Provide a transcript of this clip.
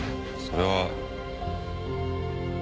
それは。